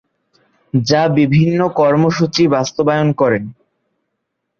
যা বিভিন্ন কর্মসূচি বাস্তবায়ন করে।